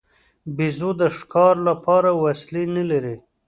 بیزو د ښکار لپاره وسلې نه لري.